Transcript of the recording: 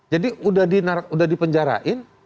jadi udah dipenjarain